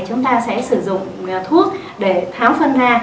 chúng ta có thể uống thuốc để tháo phân ra